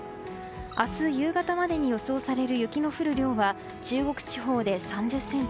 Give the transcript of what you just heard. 明日夕方までに予想される雪の降る量は中国地方で３０ｃｍ